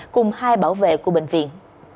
cùng hai bảo vệ của bệnh viện